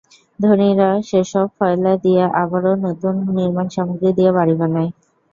ধনীরা সেসব ফেলে দিয়ে আবারও নতুন নির্মাণ সামগ্রী দিয়ে বাড়ি বানায়।